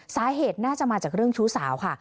สาเหตุน่าจะมาจากเรื่องชู้สาวค่ะ